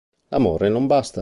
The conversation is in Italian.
L'amore non basta